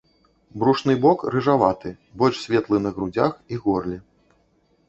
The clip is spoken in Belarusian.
Брушны бок рыжаваты, больш светлы на грудзях і горле.